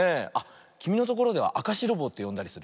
きみのところでは「あかしろぼう」ってよんだりする？